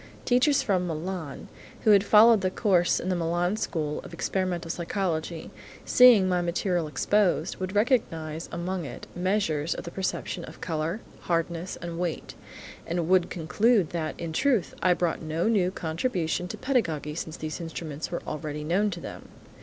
Teachers from Milan who had followed the course in the Milan school of experimental psychology, seeing my material exposed, would recognise among it, measures of the perception of colour, hardness, and weight, and would conclude that, in truth, I brought no new contribution to pedagogy since these instruments were already known to them.